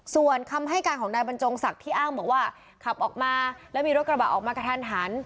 ส่วนคำให้การของนายบรรจงศักดิ์ที่อ้างบอกว่าขับออกมาแล้วมีรถกระบะออกมากระทันหัน